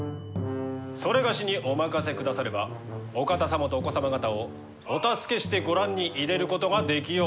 某にお任せくださればお方様とお子様方をお助けしてご覧に入れることができようかと。